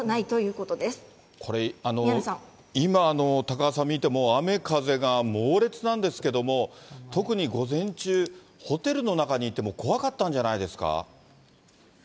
これ、今、高和さん、見ても雨、風が猛烈なんですけれども、特に午前中、ホテルの中にいても怖かったんじゃないですか？